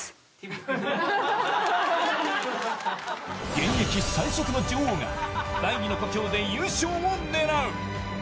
現役最速の女王が第２の故郷で優勝を狙う。